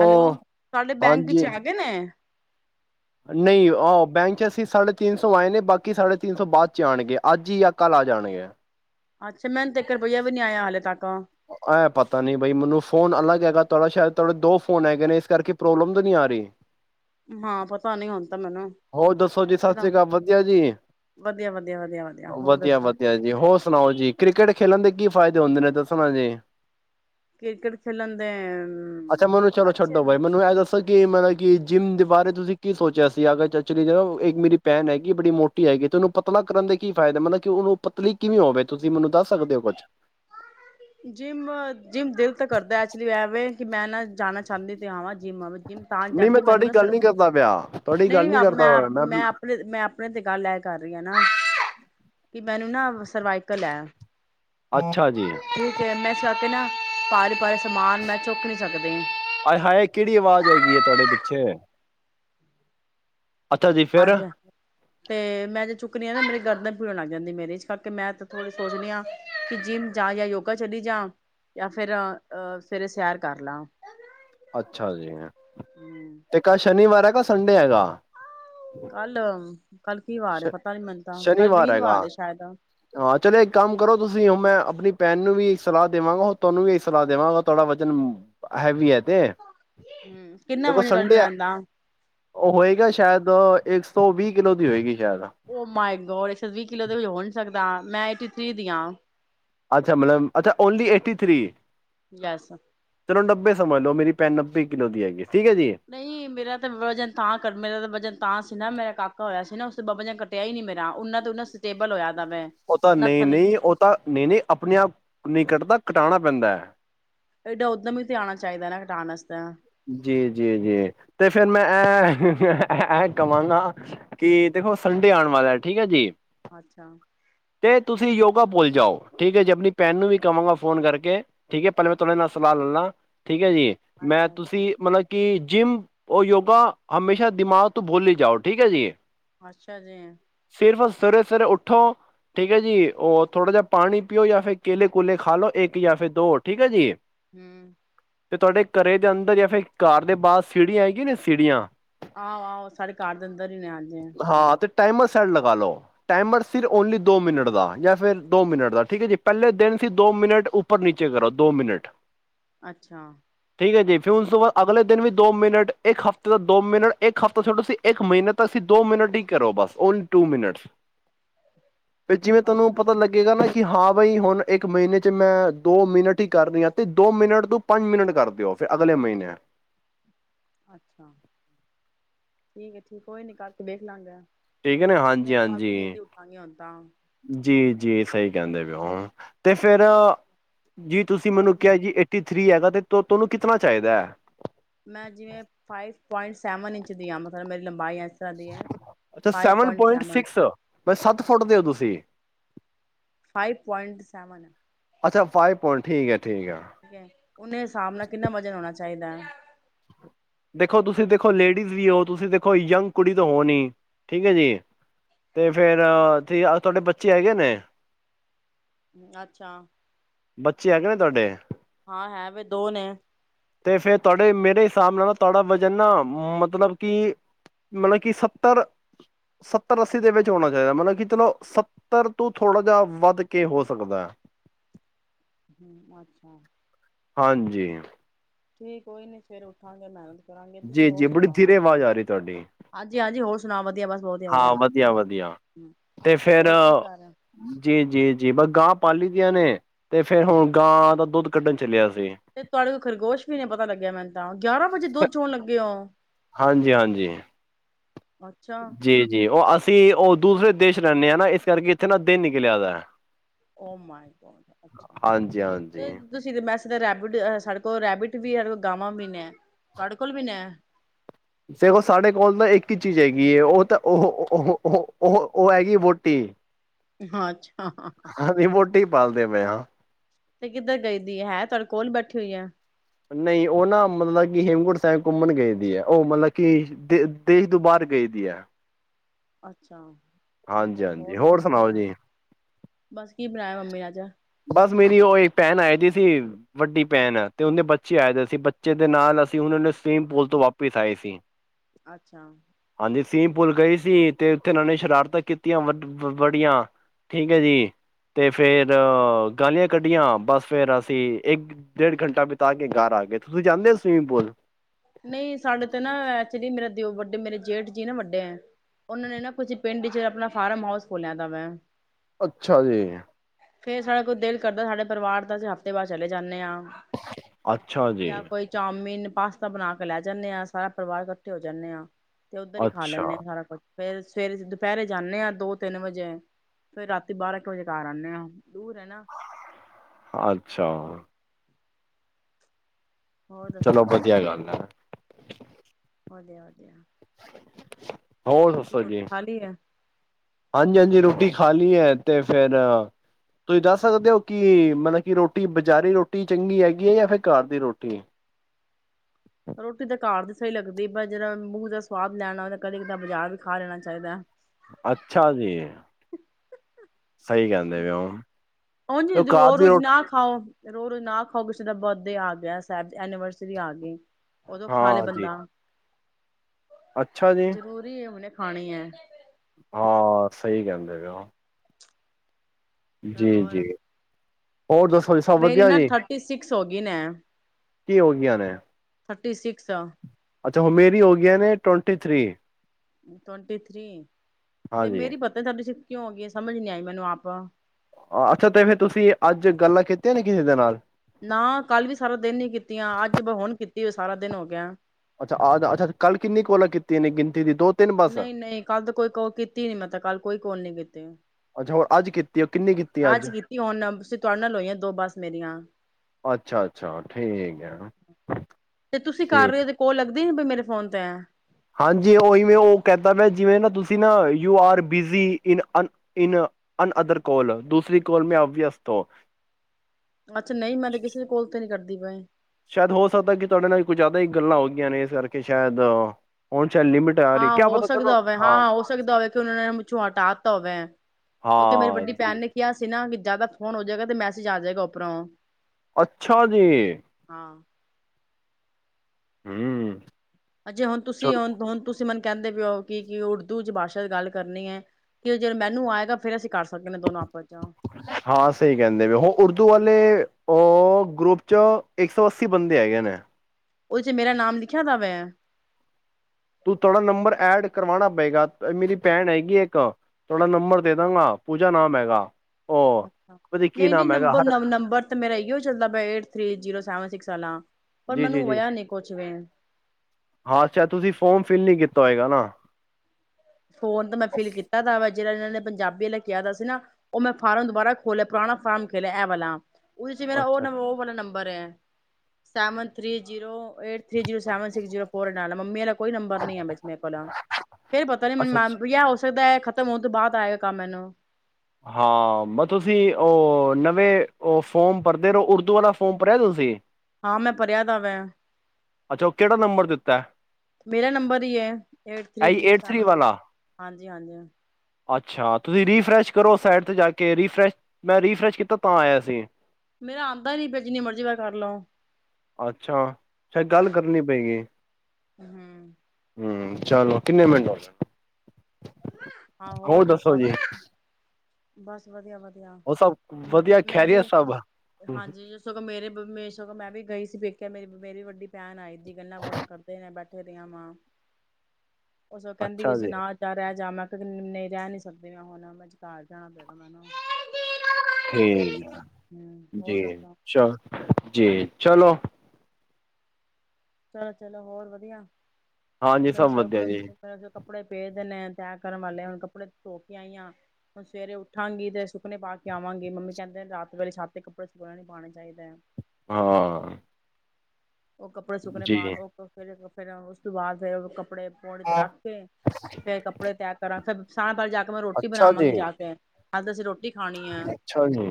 Hello ਤੁਹਾਡੇ bank ਚ ਹਾਂਜੀ ਆ ਗਏ ਨੇ ਨਹੀਂ ਆਹ ਬੈਂਕ ਚ ਅਸੀਂ ਸਾਢੇ ਤਿੰਨ ਸੌ ਆਏ ਨੇ ਬਾਕੀ ਸਾਢੇ ਤਿੰਨ ਸੌ ਬਾਅਦ ਚ ਆਉਣਗੇ ਅੱਜ ਹੀ ਜਾਂ ਕੱਲ੍ਹ ਆ ਜਾਣਗੇ ਅੱਛਾ ਮੈਨੂੰ ਇੱਕ ਰੁਪਈਆ ਵੀ ਨਹੀ ਆਇਆ ਹਾਲੇ ਤੱਕ ਐ ਪਤਾ ਨੀ ਬਈ ਮੈਨੂੰ ਫੋਨ ਅਲੱਗ ਹੈਗਾ ਤੁਹਾਡਾ ਸ਼ਾਇਦ ਤੁਡੇ ਦੋ ਫੋਨ ਹੈਗੇ ਨੇ ਇਸ ਕਰਕੇ ਪ੍ਰੋਬਲਮ ਤਾਂ ਨਹੀਂੀ ਆ ਰਹੀ ਹਾਂ, ਪਤਾ ਨੀ ਹੁਣ ਤਾਂ ਮੈਨੂੰ ਹੋਰ ਦੱਸੋ ਜੀ ਸਤਿ ਚਲੋ ਸ੍ਰੀ ਅਕਾਲ ਵਧੀਆ ਜੀ ਵਧੀਆ, ਵਧੀਆ, ਵਧੀਆ, ਹੋਰ ਵਧੀਆ ਦੱਸੋ? ਵਧੀਆ ਜੀ ਹੋਰ ਸੁਣਾਓ ਜੀ ਕ੍ਰਿਕਟ ਖੇਲਣ ਦੇ ਕੀ ਫ਼ਾਇਦੇ ਹੁੰਦੇ ਨੇ ਤਾਂ ਜੀ [unintelligible] ਕ੍ਰਿਕਟ ਖੇਲਣ ਦੇ ਅੱਛਾ ਮੈਨੂੰ ਚਲੋ ਬਾਦ ਛੇ ਛੱਡੋ ਨੂੰ ਬਾਈ ਮੈਨੂੰ ਇਹ ਦੱਸੋ ਕਿ ਮਤਲਬ ਕਿ ਜਿੰਮ ਦੇ ਬਾਰੇ ਤੁਸੀਂ ਕੀ ਸੋਚਿਆ ਸੀ ਅਗ ਚਚਲੀ ਜ ਇੱਕ ਮੇਰੀ ਭੈਣ ਹੈਗੀ ਬੜੀ ਮੋਟੀ ਹੈਗੀ ਤੇ ਉਹਨੂੰ ਪਤਲਾ ਕਰਨ ਦੇ ਕੀ ਫਾਇਦੇ ਮਤਲਬ ਕਿ ਉਹਨੂੰ ਪਤਲੀ ਕਿਵੇਂ ਹੋਵੇ ਤੁਸੀਂ ਮੈਨੂੰ ਦੱਸ ਸਕਦੇ ਹੋ ਕੁਛ ਜਿੰਮ, ਜਿੰਮ ਦਿਲ ਤਾਂ ਕਰਦਾ ਐਕਚੁਲੀ ਐਵੇਂ ਕਿ ਮੈਂ ਨਾ ਜਾਣਾ ਚਾਹੁੰਦੀ ਤੇ ਆ ਵਾਂ ਜਿੰਮਾਂ ਵਿਚ ਜਿਮ ਤਾਂ ਨਹੀਂ ਮੈਂ ਜਾਂਦੀ ਮੈਨੂੰ ਤੁਹਾਡੀ ਨਾ ਗੱਲ ਨਹੀਂ ਕਰਦਾ ਪਿਆ, ਤੁਹਾਡੀ ਗੱਲ ਨਹੀਂ ਨਹੀਂ ਮੈਂ ਕਰਦਾ ਪਿਆ ਮੈਂ ਆਪਣੇ ਮੈਂ ਆਪਣੇ ਤੇ ਗੱਲ ਲੈ ਕਰ ਰਹੀ ਹ ਕਿ ਮੈਨੂੰ ਨਾ ਸਰਵਾਈਕਲ ਹੈ ਅੱਛਾ ਜੀ, ਠੀਕ ਹੈ ਮੈਂ ਸੁਣਾਤੇ ਨਾ ਪਾਰ ਪੇ ਸਮਾਨ ਮੈਂ ਚੁੱਕ ਨਹੀਂੀ ਸਕਦੀ ਹੈ ਅ ਹਾਏ ਕਿਹੜੀ ਆਵਾਜ਼ ਹੈਗੀ ਹੈ ਤੁਹਾਡੇ ਪਿੱਛੇ ਅੱਛਾ ਜੀ ਫਿਰ, ਹਾਂਜੀ ਤੇ ਮੈਂ ਜੇ ਚੁੱਕਣੀ ਆ ਨਾ ਮੇਰੇ ਗਰਦਨ ਪੀੜਣ ਲੱਗ ਜਾਂਦੀ ਮੇਰੇ ਚ ਕਰਕੇ ਮੈਂ ਤਾਂ ਥੋੜ੍ਹੀ ਸੋਚਦੀ ਹਾਂ ਕਿ ਜਿੰਮ ਜਾ ਜਾਂ ਯੋਗਾ ਚਲੀੀ ਜਾ ਜਾਂ ਫੇਿਰ ਅਹ ਸਵੇਰੇ ਸੈਰ ਕਰ ਲਾ ਅੱਛਾ ਜੀ ਹਮ ਤੇ ਕਲ ਸ਼ਨੀਵਾਰ ਹੈ ਸੰਡੇ ਹੈਗਾ ਕੱਲ ਕੱਲ ਕੀ ਵਾਰ ਹੈ ਸ਼ ਪਤਾ ਨੀ ਮਿਨ ਤਾਂ ਕੱਲ ਸ਼ਨੀਵਾਰ ਹੈਗਾ। ਵੀਰਵਾਰ ਸ਼ਾਇਦ ਹਾਂ ਚਲੋ ਇੱਕ ਕੰਮ ਕਰੋ ਤੁਸੀਂ ਹੁ ਮੈਂ ਆਪਣੀ ਭੈਣ ਨੂੰ ਵੀ ਇੱਕ ਸਲਾਹ ਦੇਵਾਂਗਾ ਤੁਹਾਨੂੰ ਵੀ ਇੱਕ ਸਲਾਹ ਦੇਵਾਂਗਾ ਤੁਹਾਡਾ ਵਜ਼ਨ ਹੈਵੀ ਹੈ ਤੇ ਹਮ ਕਿੰਨਾ ਦੇਖੋ ਵਜਨ ਤੁਹਾਡੀ ਸੰਡੇ ਹੈ ਭੈਣ ਦਾ ਉਹ ਹੋਏਗਾ ਸ਼ਾਇਦ ਇੱਕ ਸੌ ਵੀਹ ਕਿਲੋ ਦੀ ਹੋਏਗੀ ਸ਼ਾਇਦ। ਉਹ ਮਾਇਗੋਡ ਏਕ ਸੋ ਵੀਹ ਕਿੱਲੋ ਦੇ ਵਿੱ ਹੋ ਨਹੀਂ ਸਕਦਾ ਮੈਂ ਏਟੀ ਥ੍ਰਰੀ ਦੀਆਂ ਅੱਛਾ ਮਤਲਬ ਅੱਛਾ ਓਨਲੀ ਏਟੀ ਥ੍ਰੀ ਬੱਸ ਚਲੋ ਨੱਬੇ ਸਮਾਝ ਲਓ ਮੇਰੀ ਭੈਣ ਨੱਬੇ ਕਿੱਲੋ ਦੀ ਹੈਗੀ ਠੀਕ ਹੈ ਜੀ। ਨਹੀਂ ਮੇਰਾ ਤਾਂ ਵਜਨ ਤਾਂ ਕਰ ਮੇਰਾ ਤਾਂ ਵਜਨ ਤਾਂ ਸੀ ਨਾ ਮੇਰਾ ਕਾਕਾ ਹੋਇਆ ਸੀ ਨਾ ਵਜਨ ਘਟਿਆ ਹੀ ਨੀ ਮੇਰਾ ਉਹਨਾ ਤੇ ਉਹਨਾ ਸਟੇਬਲ ਹੋਇਆ ਦਾ ਮੈਂ ਉਹ ਤਾਂ ਨਾ ਨਹੀਂ ਥੱਲੇ ਨਹੀਂ ਉਹ ਤਾਂ ਨਹੀਂ ਨਹੀਂ ਆਪਣੇ ਆਪ ਨਹੀਂ ਕੱਢਦਾ ਘਟਾਉਣਾ ਪੈਂਦਾ ਹੈ ਏਡਾ ਉੱਦਮ ਹੀ ਤੇ ਆਣਾ ਚਾਹੀਦਾ ਨਾ ਕਟਾਣ ਵਾਸਤੇ ਜੀ ਜੀ ਜੀ ਤੇ ਫੇਿਰ ਮੈਂ ਇਹ ਇਹ ਕਵਾਂਗਾ ਕਿ ਦੇਖੋ ਸੰਡੇ ਆਉਣ ਵਾਲਾ ਠੀਕ ਹੈ ਜੀ ਅੱਛਾ ਤੇ ਤੁਸੀਂ ਯੋਗ ਭੁੱਲ ਜਾਓ ਠੀਕ ਐ ਜੇ ਆਪਣੀ ਭੈਣ ਨੂੰ ਵੀ ਕਹਾਂਗਾ ਫੋਨ ਕਰਕੇ ਠੀਕ ਐ, ਪਹਿਲਾਂ ਮੈਂ ਤੁਆਡੇ ਨਾਲ ਸਲਾਹ ਲਲਾਂ। ਠੀਕ ਹੈ ਜੀ ਮੈਂ ਅੱਛਾ ਅੱਛਾ ਅਸੀਂ ਮਤਲਬ ਕੀ ਜਿੰਮ ਔ ਯੋਗਾ ਹਮੇਸ਼ਾ ਦਿਮਾਗ ਤੋਂ ਭੂਲਈ ਜਾਓ ਠੀਕ ਐ ਜੀ। ਅੱਛਾ ਜੀ। ਸਿਰਫ ਸਵੇਰੇ ਸਵੇਰੇ ਉੱਠੋ ਠੀਕ ਐ ਜੀ ਉਹ ਥੋੜਾ ਜਿਹਾ ਪਾਣੀ ਪੀਓ ਜਾਂ ਫਿਰ ਕੇਲੇ ਕੂਲੇ ਖਾ ਲੋ ਇੱਕ ਜਾਂ ਫਿਰ ਦੋ ਠੀਕ ਹੈ ਜੀ। ਹਂ ਤੇ ਤੁਆਡੇ ਘਰੇ ਦੇ ਅੰਦਰ ਜਾਂ ਫੇਰ ਘਰ ਦੇ ਬਾਹਰ ਸੀੜੀਆਂ ਹੈਗੀਆਂ ਨੇ ਸੀੜੀਆਂ ਆਹੋ ਆਹੋ ਸਾਡੇ ਘਰ ਦੇ ਅੰਦਰ ਹੀ ਨੇ ਅਜ। ਹਾਂ ਤੇ ਟਾਈਮਰ ਸੈਟ ਲਗਾ ਲਓ, ਟਾਈਮਰ ਸਿਰ ਓਨਲੀ ਦੋ ਮਿੰਟ ਦਾ ਜਾਂ ਫਿਰ ਦੋ ਮਿੰਟ ਦਾ। ਠੀਕ ਜੀ ਪਹਿਲੇ ਦਿਨ ਸੀ ਦੋ ਮਿੰਟ ਉੱਪਰ ਨੀਚੇ ਕਰੋ ਦੋ ਮਿੰਟ। ਅੱਛਾ ਠੀਕ ਐਜੀ ਫਿਰ ਉਸ ਤੋਂ ਬਾਅਦ ਅਗਲੇ ਦਿਨ ਵੀ ਦੋ ਮਿੰਟ, ਇੱਕ ਹਫ਼ਤੇ ਦਾ ਦੋ ਮਿੰਟ ਇੱਕ ਹਫਤਾ ਤੁੋਟਾ ਤੁਸੀ ਇੱਕ ਮਹੀਨੇ ਤੱਕਸੀਂ ਦੋ ਮਿੰਟ ਹੀ ਕਰੋ ਬਸ ਓਨਲੀ ਟੂ ਮਿੰਟਸ। ਫਿਰ ਜਿਵੇਂ ਤੁਆਨੂੰ ਅੱਛਾ ਪਤਾ ਲੱਗੇਗਾ ਨਾ ਕਿ ਹਾਂ ਬਾਈ ਹੁਣ ਇੱਕ ਮਹੀਨੇ ਚ ਮੈਂ ਦੋ ਮਿੰਟ ਹੀ ਕਰ ਰਈ ਹਾਂ ਅਤੇ ਦੋ ਮਿੰਟ ਤੋਂ ਪੰਜ ਮਿੰਟ ਕਰ ਦਿਓ। ਫਿਰ ਅਗਲੇ ਮਹੀਨੇ ਅੱਛਾ, ਠੀਕ ਐ ਠੀਕ, ਕੋਈ ਨੀ ਕਰਕੇ ਦੇੇਖ ਲਾਂਗੇ। ਠੀਕ ਐ ਨਾ ਹਾਂਜੀ ਨਹੀਂ ਕੱਲ ਤੋਂ ਹਾਂਜੀ, ਜਲਦੀ ਉੱਠਾਂਗੇ ਹੁਣ ਤਾਂ ਜੀ ਜੀ ਸਹੀ ਚਲੋ ਕਹਿੰਦੇ ਪੈ ਔਂਤੇ ਫੇਰ ਹੋਰ ਜੀ ਤੁਸੀਂ ਹੋਰ ਮੈਨੂੰ ਸੁਣਾ ਕਿਹਾ ਜੀ ਏਟੀ ਥ੍ਰਰੀ ਹੈਗਾ ਤੇ ਤ ਤੁਹਾਨੂੰ ਕਿਤਨਾ ਚਾਹੀਦਾ ਐ। ਸਮਨ ਇੰਚਦੀ ਆਮ ਤੇ ਮੇਰੀ ਲਂਬਾਈ [inaudible] ਅੱਛਾ ਸੈਵਨ ਪੁਆਇੰਟ ਸਿਕਸ ਮੈਂ ਸੱਤ ਫੋਟ ਦਿਓ ਤੁਸੀਂ। ਫਾਈਵ ਪੁਆਇੰਟ ਸੈਵਨ ਅੱਛਾ ਫਾਈਵ ਪਇੰਟ ਠੀਕ ਐ। ਠੀਕ ਉਹਨੇ ਹਿਸਾਬ ਨਾਲ ਕਿੰਨਾ ਵਜ਼ਨ ਹੋਣਾ ਚਾਈਦਾ? ਦੇਖੋ, ਤੁਸੀਂ ਦੇਖੋ ਲੇਡੀਜ਼ ਵੀ ਹੋ ਤੁਸੀਂ ਦੇਖੋ ਯੰਗ ਕੁੜੀ ਤਾਂ ਹੋ ਨੀਂ, ਠੀਕ ਹੈ ਜੀ ਤੇ ਫੇਰ ਤੁਆਡੇ ਬੱਚੇ ਹੈਗੇ ਨੇ? ਅੱਛਾ, ਬੱਚੇ ਹੈਗੇ ਨੇ ਤੁਹਾਡੇ ਹਾਂ ਹੈ ਵੇ ਦੋ ਨੇ। ਤੇ ਫੇਰ ਤੁਆਡੇ ਮੇਰੇ ਹਿਸਾਬ ਨਾਲ ਤੁਹਾਡਾ ਵਜ਼ਨ ਨਾਂ ਮਤਲਬ ਕਿ ਮਤਲਬ ਕਿ ਸੱਤਰ, ਸੱਤਰ ਅੱਸੀ ਦੇ ਵਿੱਚ ਹੋਣਾ ਚਾਹੀਦਾ ਮਤਲਬ ਕਿ ਚਲੋ ਸੱਤਰ ਤੋਂ ਥੋੜ੍ਹਾ ਜਿਹਾ ਵੱਧ ਕੇ ਹੋ ਸਕਦਾ ਐ। ਹਂ, ਅੱਛਾ। ਹਾਂਜੀ ਠੀਕ ਕੋਈ ਨੀ ਸਵੇਰ ਉੱਠਾਂਗੇ ਨੋ ਜੀ ਜੀ, ਬੜੀ ਧਥੀਰੇ ਆਵਾਜ਼ ਆ ਰਹੀ ਤੁਆਡੀ ਸੁਣਾਵਤ ਹਾਂ, ਵਧੀਆ ਵਧੀਆ ਤੇ ਫਿਰ ਹੋਰ ਕੀ ਕਰ ਰਹੇ? ਜੀ ਜੀ ਜੀ। ਗਾਂ ਪਾਲੀ ਦੀਆਂ ਨੇ ਤੇ ਫੇਰ ਹੁਣ ਗਾਂ ਦਾ ਦੁੱਧ ਕੱਢਣ ਚੱਲਿਆ ਸੀ ਤੇ ਤੁਹਾਡੇ ਕੋਈ ਖਰਗੋਸ਼ ਵੀ ਨੇ ਪਤਾ ਲੱਗਿਆ ਮੈਨੂੰ ਤਾਂ ਗਿਆਰਾਂ ਵਜੇ ਦੁੱਧ ਚੋਣ ਲੱਗੇ ਓ! ਹਾਂਜੀ ਹਾਂਜੀ। ਅੱਛਾ। ਜੀ ਜੀ ਉਹ ਇਹ ਉਹ ਦੂਸਰੇ ਦੇਸ਼ ਰਹਿੰਨੇ ਹਾਂ ਨਾ ਇਸ ਕਰਕੇ ਇੱਥੇ ਨਾ ਦਿਨ ਨਿਕਲਿਆਦਾ ਉਹ ਮਈ ਗੋਡ ਹਾਂਜੀ ਤੇ ਤੁਸੀਂ ਮੈਸੇਜ ਇੇ ਤਾਂ ਰੈਬਿਟ ਸਾਡੇ ਕੋਲ ਰੈਬਿਟ ਵੀ ਸਾਡੇ ਕੋਲ ਗਾਵਾਂ ਵੀ ਨੇ ਤੁਹਾਡੇ ਕੋਲ ਵੀ ਨੇ ਦੇਖੋ ਸਾਡੇ ਕੋਲ ਤਾਂ ਇੱਕ ਹੀ ਚੀਜ਼ ਹੈਗੀ ਉਹ ਤਾਂ ਉਹ ਉਹ ਉਹ ਹੈਗੀ ਵੋਟੀ ਹ ਅੱਛਾ ਹਾਂਜੀ ਵੋਟੀ ਪਾਲਦੇ ਪਏ ਹਾਂ ਤੇ ਕਿੱਧਰ ਗਈ ਦੀ ਆ ਹੈ ਤੁਹਾਡੇ ਕੋਲ ਬੈਠੀ ਹੋਈ ਆ ਨਹੀਂ ਉਹ ਨਾ ਮਤਲਬ ਕਿ ਹੇਮਗਟ੍ਹ ਸਾਹਿਬ ਘੁੰਮਣ ਗਏ ਦੀ ਹੈ ਉਹ ਮਤਲਬ ਕਿ ਦੇ ਦੇਸ਼ ਤੋਂ ਬਾਹਰ ਗਏ ਦੀ ਹੈ ਅੱਛਾ ਚਲ ਹਾਂਜੀ-ਹਾਂਜੀ, ਹੋਰ ਦੱਸੋ ਸੁਣਾਓ ਵਧੀਆ ਜੀ? ਬਸ ਕੀ ਮੈ ਮੰਮੀ ਆ ਜਾ ਬਸ ਮੇਰੀ ਉਹ ਇੱਕ ਭੈਣ ਆਏ ਦੀ ਸੀ ਵੱਡੀ ਭੈਣ ਤੇ ਉਹਦੇ ਬੱਚੇ ਆਏ ਦੇ ਸੀ ਬੱਚੇ ਦੇ ਨਾਲ ਅਸੀਂ ਉਹਨਾਂ ਨੇ ਸਵੀਮਿੰਗ ਪੂਲ ਤੋਂ ਵਾਪਿਸ ਆਏ ਸੀ ਅੱਛਾ ਸੀਮ ਪੁਲ ਗਏ ਸੀ ਤੇ ਉੱਥੇ ਇਹਨਾਂ ਨੇ ਸ਼ਰਾਰਤਾਂ ਕੀਤੀਆਂ ਵ ਬੜੀਆਂ ਠੀਕ ਹੈ ਜੀ ਤੇ ਫੇਿਰ ਗਾਲੀਆਂ ਕੱਢੀਆਂ ਬਸ ਫੇਿਰ ਅਸੀਂ ਇੱਕ ਡੇਢ ਘੰਟਾ ਬਿਤਾ ਕੇ ਘਰ ਆ ਗਏ। ਤੁਸੀਂ ਜਾਂਦੇ ਸਵੀਮਿੰਗ ਪੂਲ ਨਹੀਂ ਸਾਡੇ ਤੇ ਨਾ ਐਕਚੁਲੀ ਮੇਰਾ ਦਿਓ ਵੱਡੇ ਮੇਰੇ ਜੇਠ ਜੀ ਨਾ ਵੱਡੇ ਹੈ ਉਹਨਾਂ ਨੇ ਨਾ ਕੁਛ ਪਿੰਡ ਚ ਆਪਣਾ ਫਾਰਮ ਹਾਊਸ ਖੋਲਿਆ ਤਾਂ ਵਾ ਅੱਛਾ ਜੀ ਫੇਰ ਸਾਡਾ ਕੋਈ ਦਿਲ ਕਰਦਾ ਸਾਡੇ ਪਰਿਵਾਰ ਤਾਂ ਅਸੀਂ ਹਫ਼ਤੇ ਬਾਅਦ ਚਲੇ ਜਾਂਨੇ ਹਾਂ ਅੱਛਾ ਜੀ, ਜਾਂ ਕੋਈ ਚਾਮਿਨ ਤਾਂ ਬਣਾ ਕੇ ਲੈ ਜਾਂਨੇ ਹਾਂ ਸਾਰਾ ਪਰਿਵਾਰ ਇਕੱਠੇ ਹੋ ਜਾਂਨੇ ਹਾਂ ਤੇ ਉੱਧਰ ਹੀ ਖਾ ਲੈਂਦੇ ਅੱਛਾ। ਹਾਂ ਸਾਰਾ ਕੁੱਛ ਫੇਰ ਸਵੇਰੇ ਦੁਪਹਿਰੇ ਜਾਂਦੇ ਹਾਂ ਦੋ ਤਿੰਨ ਵਜੇ ਫੇਰ ਰਾਤੀ ਬਾਰਾਂ ਕੁ ਵਜੇ ਕਰ ਆਉਂਨਦੇ ਹਾਂ ਦੂਰ ਹੈ ਨਾ ਅੱਛਾ ਹੋਰ ਚਲੋ ਦੱਸੋ ਵਧੀਆ ਗੱਲ ਹੈ [unintelligible] [unintelligible] ਹੋਰ ਦੱਸੋ ਜੀ ਰੋਟੀ ਖਾ ਲਈ ਹੈ। ਹਾਂਜੀ ਹਾਂਜੀ ਰੋਟੀ ਖ਼ਾ ਲੀ ਹੈ ਤੇ ਫੇਿਰ ਤੁਸੀਂ ਦੱਸ ਸਕਦੇ ਹੋ ਕਿ ਮਤਲਬ ਕਿ ਰੋਟੀ ਬਜ਼ਾਰੀ ਰੋਟੀ ਚੰਗੀ ਹੈਗੀ ਹੈ ਜਾਂ ਫਿਰ ਘਰ ਦੀ ਰੋਟੀ ਰੋਟੀ ਤਾਂ ਘਰ ਦੀ ਸਹੀ ਲੱਗਦੀ ਪਰ ਜਦੋਂ ਮੂੰਹ ਦਾ ਸਵਾਦ ਲੈਣਾਵੇ ਤਾਂ ਕਦੇ ਕਿਦਾ ਬਾਜ਼ਾਰ ਵੀ ਖਾ ਲੈਣਾ ਚਾਹੀਦਾ ਅੱਛਾ ਜੀ [unintelligible] ਸਹੀ ਕਹਿੰਦੇ ਪਏ ਹੋ, ਉਹ ਕਾਰ ਜੈ ਉਹ ਰੋ ਰੋਜ਼ ਨਾ ਖਾਓ ਕਿਸੇ ਦਾ ਬਿਰਥ ਡੇ ਆ ਗਿਆ ਸਾਹਿਬ ਐਨੀਵਰਸਰੀ ਆ ਗਈ ਉਦੋਂ ਖਾ ਲਏ ਹਾਂ ਜੀ ਬੰਦਾ ਅੱਛਾ ਜੀ ਜ਼ਰੂਰੀ ਹੈ ਹੁਣੇ ਖਾਣੀ ਹੈ ਹਾਂ, ਸਹੀ, ਕਹਿੰਦੇ ਪਏ ੳ। ਹੋਰ ਜੀ-ਜੀ। ਮੇਰੀ ਨਾ, ਥਰਟੀ ਸਿਕਸ ਹੋ ਗਈ ਨਾ‌ ਕੀ ਹੋ ਗਆਂ ਨੇ? ਥਰਟੀ ਸਿਕਸ ਅ ਅੱਛਾ। ਉਹ ਮੇਰੀ ਹੋ ਗਿਆਈ ਨੇ, ਟਵੈਂਟੀ ਥ੍ਰੀ। Twenty three. ਤੇ, ਹਾਂਜੀ ਮੇਰੀ ਪਤਾ ਨੀ ਤਾਨੂੰ ਜੀ। ਕਿਉਂ ਹੋ ਗਈ? ਸਮਝ ਨੀ ਆਈ, ਮੈਨੂੰ ਆਪ। ਅੱਛਾ। ਤੇ, ਫਿਰ, ਤੁਸੀਂ ਅੱਜ ਗੱਲਾਂ ਕੀਤੀਆਂ ਨੇ ਕਿਸੇ ਦੇ ਨਾਲ? ਨਾ ਉਹ ਸਾਰਾ ਦਿਨ ਹੋ ਗਿਆ। ਅੱਛਾ, ਆਹ, ਅੱਛਾ, ਕੱਲ੍ਹ, ਕਿੰਨੀ ਕੌਲਾਂ ਕੀਤੀਆਂ ਨੇ? ਦੀ ਦੋ ਤਿੰਨ ਬਸ ਨਹੀਂ- ਨਹੀਂ ਕੱਲ ਤਾਂ, ਕੋਈ ਕੋਲ ਕੀਤੀ ਨੀ ਮੈਂ ਤਾਂ, ਕੱਲ। ਕੋਈ, ਕੌਲ ਨੀ ਕੀਤੀ। ਰ, ਅੱਜ ਕੀਤੀ, ਤੇ ਕਿਉ, ਕਿੰਨੀ ਕੀਤੀ ਅੱਜ? ਕੀਤੀ ਹੁਣ ਤੁਸੀਂ ਤੁਹਾਡੇ ਨਾਲ ਹੋਈਆਂ ਦੋ ਬਸ ਮੇਰੀਆਂ ਅੱਛਾ- ਅੱਛਾ, ਠੀਕ ਆ। ਤੇ, ਤੁਸੀ ਕਰ ਰਹੇ ਹੋ, ਤੇ ਕੌਲ ਲੱਗ ਮੇਰੇ, ਫੋਨ ਤੇ। ਹਾਂਜੀ, ਉਹੀਵੇ ਉਹ ਕਹਦਾ ਮੈਂ ਜਿਵੇਂ ਨਾ ਤੁਸੀਂ ਨਾ, you are busy in, uh in another ਕੋਲ, ਦੂਸਰੀ ਕੌਲ ਮੇ ਆਪ ਵਿਅਸਤ ੳ। ਅੱਛਾ ਨਹੀਂ ਮੈਂ ਤੇ, ਕਿਸੇ ਦੇ ਕੋਲ ਤੇ ਨੀ ਕਰਦ ਦੇ ਬਾ ਸ਼ਾਇਦ ਹੋ ਸਕਦਾ ਕਿ, ਤੁਹਾਡੇ ਨਾਲ ਕੁਝ ਜ਼ਿਆਦਾ ਹੀ ਗੱਲਾਂ ਹੋ ਗਈਆਂ ਨੇ, ਇਸ ਕਰਕੇ ਸ਼ਾਇਦ ਹੁਣ ਸ਼ਾਇਦ ਲਿਮਿਟ ਆ ਰਹੀ ਹਾਂ, ਕਿਆ ਹੋ ਪਤਾ ਚਲੋ ਸਕਦਾ ਹੋਵੇ, ਹਾਂ ਹੋ ਸਕਦਾ ਹੋਵੇ, ਕਿ ਉਹਨਾਂ ਨੇ, ਹਟਾ ਤਵੈਂ ਕਿਉਂਕਿ, ਮੇਰੀ ਹਾਂ ਵੱਡੀ ਭੈਣ ਜੀ ਨੇ ਕਿਹਾ ਸੀ, ਨਾ ਕਿ ਜਿਆਦਾ ਫੋਨ ਹੋ ਜਾਏਗਾ ਤੇ, ਮੈਸੇਜ ਆ ਜਾਏਗਾ ਉੱਪਰੋਂ। ਅੱਛਾ ਜੀ। ਹਾਂ। ਹਮ। ਅਜੇ, ਹੁਣ ਤੁਸੀਂ, ਹੁਣ, ਹੁਣ, ਤੁਸੀਂ ਮਨ ਕਹਿੰਦੇ ਪਓ, ਕਿ ਉਰਦੂ ਚ ਭਾਸ਼ਾ ਚ ਗੱਲ ਕਰਨੀ ਹੈ, ਕਿ ਜਦ ਮੈਨੂੰ ਆਏਗਾ ਫ਼ਿਰ ਅਸੀਂ ਕਰ ਸਕਦੇ ਨੇ ਦੋਨੋਂ ਆਪਸ ਚ ਹਾਂ, ਸਹੀ ਕਹਿੰਦੇ ਵੀ ਉਹ ਉਰਦੂ ਵਾਲ ਲੇ, ਉਹ ਗਰੁੱਪ ਚ, ਇੱਕ ਸੌ ਅੱਸੀ ਬੰਦੇ ਹੈਗੇ ਨੇ। ਉਹ ਚ, ਮੇਰਾ ਨਾਮ ਲਿਖਿਆ ਤਾ ਮੈਂ। ਤੂੰ ਤੁਹਾਡਾ ਨੰਬਰ ਐਡ ਕਰਵਾਣਾ ਪਏਗਾ, ਮੇਰੀ ਭੈਣ ਹੈਗੀ ਇੱਕ ਤੁਹਾਡਾ ਨੰਬਰ ਦੇ ਦਾਂਗਾ, ਪੂਜਾ ਨਾਮ ਹੈਗਾ। ਉਹ ਉਹਦੇ ਕੀ ਨਹੀਂ, ਨਹੀਂ, ਨਾਮ ਹੈਗਾ ਨੰਬਰ, ਹਰ ਨੰਬਰ ਤੇ, ਮੇਰਾ ਇਔੲਈ ਚੱਲਦਾ ਪਿਆ, eight, three, zero, seven six. ਚਲਾਂ ਜੀ ਜੀ ਜੀ। ਹਾਂ ਸ਼ਾਇਦ ਤੁਸੀਂ ਫੋਰਮ ਫਿਲ ਨਹੀਂ ਕੀ ਤਾ ਹੋਏਗਾ ਨਾ। ਫੋਨ ਤਾਂ ਮੈਂ ਫਿਲ ਕੀਤਾ ਤਾ ਵਾ ਜਿਹੜਾ ਇਹਨਾਂ ਨੇ ਪੰਜਾਬੀ ਆਲਾ ਕਿਹਾ ਦਾ ਸੀ ਨਾ। ਉਹ ਮੈਂ ਫਾਰਮ ਦੁਬਾਰਾ ਖੋਲਿਆ ਪੁਰਾਣਾ ਫਾਰਮ ਖੇਲਿਆ, ਇਹ ਵਾਲਾ। ਉਹ ਜੀ ਮੇਰਾ ਅੱਛਾ ਉਹ ਉਹ ਵਾਲਾ number seven three zero. Eight three zero seven six zero four eight ਨਾਲ ਮਮੀ ਆਲਾ ਕੋਈ ਨੰਬਰ ਨਹੀਂ ਆ ਬੱਸ ਮੇਰੇ ਕੋਲ ਆਹ, ਫੇਰ ਪਤਾ ਅੱਛਾ ਅੱਛਾ [unintelligible] ਉਸ ਸਕਦਾ ਹੈ। ਖ਼ਤਮ ਹੋਣ ਤੋਂ ਬਾਅਦ ਆਏਗਾ ਕੰਮ ਇਹਨੂੰ। ਹਾਂ ਮੈਂ ਤੁਸੀਂ ਉਹ ਨਵੇਂ ਉਹ ਫੋਰਮ ਭਰਦੇ ਰਹੋ। ਉਰਦੂ ਵਾਲਾ ਫੋਰਮ ਭਰਿਆ ਤੁਸੀਂ। ਹਾਂ ਮੈਂ ਭਰਿਆ ਦਾ ਵੈ। ਅੱਛਾ ਉਹ ਕਿਹੜਾ ਨੰਬਰ ਦਿੱਤਾ ਹੈ? ਮੇਰਾ ਨੰਬਰ ਹੀ ਐ। ਏਟ ਥ੍ਰੀ ਆਈ ਜੀਰੋ ਏਟ ਥ੍ਰਰੀ ਸੈਵਨ ਵਾਲਾ ਹਾਂਜੀ-ਹਾਂਜੀ। ਅੱਛਾ ਤੁਸੀਂ ਰੀਫਰੈਸ਼ ਕਰੋ ਸਾਈਡ ਤੇ ਜਾ ਕੇ ਰੀਫਰੈਸ਼ ਮੈਂ ਰੀਫਰੈਸ਼ ਕੀਤਾ ਤਾਂ ਆਇਆ ਸੀ। ਮੇਰਾ ਆਉਂਦਾ ਨੀ ਪਿਆ ਜਿੰਨੀ ਮਰਜ਼ੀ ਵਾਰ ਕਰ ਲਓ ਅੱਛਾ ਸ਼ਾਇਦ ਗੱਲ ਕਰਨੀ ਪਏਗੀ, ਹਮ ਹੂੰ। ਚਲੋ ਕਿੰਨੇ ਮਿੰਟ ਹੋਰ ਦੱਸੋ ਜੀ? ਬਸ ਵਧੀਆ ਵਧ ਉਹ ਸਭ ਵਧੀਆ ਮੈਂ ਖੈਰੀਅਤ ਵੀ ਸਭ ਹਾਂਜੀ ਸਗੋਂ ਮੇਰੇੇ ਸਗੋਂ ਮੈਂ ਵੀ ਗਈ ਸੀ। ਵੇਖਿਆ ਮੇਰੀ ਮੇਰੀ ਵੱਡੀ ਭੈਣ ਆਈ ਸੀ ਗੱਲਾਂ ਗੁੱਲਾਂ ਕਰਦੇ ਰਹੇ ਬ [unintelligible] ਉਸ ਨੂੰ ਕਹਿੰਦੀ ਹੋਈ ਅੱਛਾ ਸੀ ਜੀ ਨਾ ਇੱਦਾਂ ਰਹਿ ਜਾ ਮੈਂ ਨਹੀਂ ਰਹਿ ਨਹੀਂ ਸਕਦੇ ਮੈਂ ਹੁਣ ਤਾਂ ਜਾਣਾ ਪੈਂਦਾ ਮੈਨੂੰ। ਠੀਕ ਆ ਹੂੰ ਜੀ ਹੋਰ ਦੱਸੋ ਚਲ ਜੀ। ਚਲੋ। ਚੱਲ ਚਲੋ ਹੋਰ ਵਧੀਆ? ਹਾਂਜੀ ਮੇਰੇ ਸਭ ਵਧੀਆ ਜੀ। ਸਗੋਂ ਕੱਪੜੇ ਪਏ ਦੇ [unintelligible] ਹੁਣ ਕੱਪੜੇ ਧੋ ਕੇ ਆਈ ਆ। ਹੁਣ ਸਵੇਰੇ ਉੱਠਾਂਗੀ ਤੇ ਸੁੱਕਣੇ ਪਾ ਕੇ ਆਵਾਂਗੇ। ਮੰਮੀ ਕਹਿੰਦੇ ਰਾਤ ਵੇਲੇ ਛੱਤ ਤੇ ਕੱਪੜੇ ਸੁੱਕਣੇ ਨਹੀਂ ਪਾਉਣੇ ਚਾਹੀਦੇ। ਹਾਂ। ਉਹ ਕੱੜੇ ਸੁੱਕਣੇ ਜੀ ਪਾਉਣ ਉਤੋਂ ਫਿਰ ਫਿਰ ਉਸ ਤੋਂ ਬਾਅਦ ਫਿਰ ਕੱਪੜੇ ਪਾਉਣ ਚ ਰੱਖ ਕੇ ਫਿਰ ਕੱਪੜੇ ਤਿਆਰ ਕਰਾਂ। ਫਿਰ ਸਾਹ ਭਰ ਜਾ ਮੈਂ ਰੋਟੀ ਅੱਛਾ ਜੀ ਬਣਾਵਾਂਗੀ ਜਾ ਕੇ। ਆਜ ਅਸੀਂ ਰੋਟੀ ਖਾਣੀ ਹੈ ਅੱਛਾ ਜੀ‌।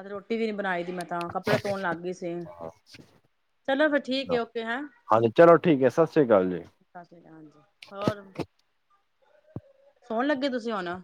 ਅੱਜ ਰੋਟੀ ਵੀ ਨੀ ਬਣਾਈ। ਮੈਂ ਤਾਂ ਕੱਪੜੇ ਧੋਣ ਲੱਗ ਗਈ ਸੀ। ਚਲੋ ਫਿਰ ਠੀਕ ਏ ਅੱਛਾ ਓਕੇ ਹੈਂ। ਹਾਂਜੀ ਚਲੋ ਠੀਕ ਹੈ ਸਤਿ ਸ੍ਰੀ ਅਕਾਲ ਜੀ ਸਸ ਸ੍ਰੀ ਕਾਲ, ਹੋਰ। ਸੋਣ ਲੱਗੇ ਤੁਸੀਂ ਹੁਣ।